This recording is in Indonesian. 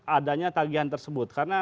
adanya tagihan tersebut karena